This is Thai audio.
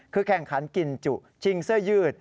คือแข่งขันกินจุชิงเสื้อยืด